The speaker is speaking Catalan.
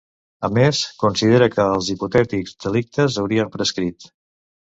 A més, considera que els ‘hipotètics delictes’ haurien prescrit.